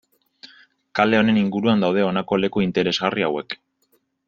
Kale honen inguruan daude honako leku interesgarri hauek.